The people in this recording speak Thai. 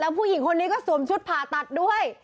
ผู้หญิงคนนี้ก็สวมชุดผ่าตัดด้วย